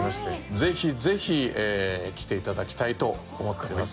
ぜひぜひ来て頂きたいと思っております。